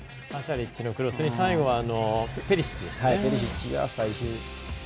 リッチのクロスに最後はペリシッチでしたね。